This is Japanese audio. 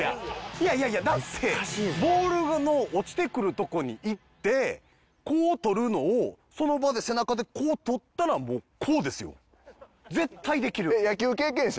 いやいやいやだってボールの落ちてくるとこに行ってこう捕るのをその場で背中でこう捕ったらもうこうですよ。絶対できる。